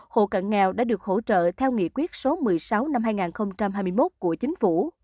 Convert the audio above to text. hộ cận nghèo đã được hỗ trợ theo nghị quyết số một mươi sáu năm hai nghìn hai mươi một của chính phủ